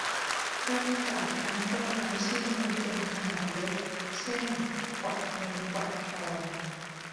เริ่มจากนำต้นไม้ชื่อมงคลขนาดเล็ก เช่น กวักเงินกวักทอง